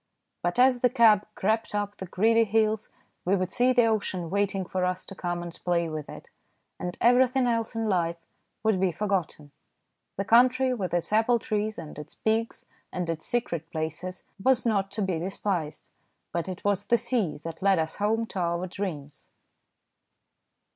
But as the cab crept up the gritty hills we would see the ocean waiting for us to come and play with it, and everything else in life would be forgotten. The country, with its apple trees and its pigs and its secret places, was not to be despised, but it was the sea that led us home to our dreams.